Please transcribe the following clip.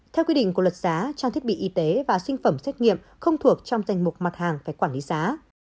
theo quy định của luật giá trang thiết bị y tế và sinh phẩm xét nghiệm không thuộc trong danh mục mặt hàng phải quản lý giá